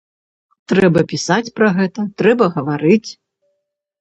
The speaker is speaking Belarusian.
Трэба пісаць пра гэта, трэба гаварыць.